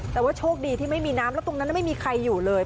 แต่ว่าโชคดีที่ไม่มีน้ำแล้วตรงนั้นไม่มีใครอยู่เลย